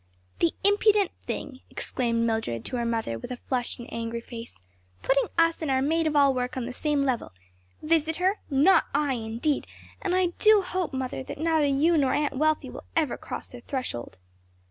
"THE impudent thing!" exclaimed Mildred to her mother with a flushed and angry face; "putting us and our maid of all work on the same level! Visit her? Not I, indeed, and I do hope, mother, that neither you nor Aunt Wealthy will ever cross their threshold."